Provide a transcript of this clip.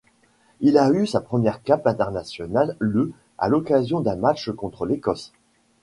Il a eu sa première cape internationale le à l’occasion d’un match contre l'Écosse.